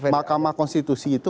makamah konstitusi itu